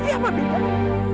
tapi apa bedanya